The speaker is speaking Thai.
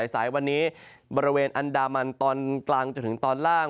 สายวันนี้บริเวณอันดามันตอนกลางจนถึงตอนล่าง